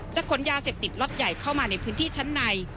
ขนยาเสพติดล็อตใหญ่เข้ามาในพื้นที่ชั้นใน